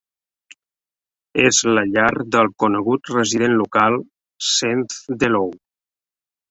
És la llar del conegut resident local Seth Dellow.